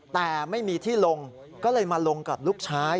แต่ไม่มีที่ลงก็เลยมาลงกับลูกชาย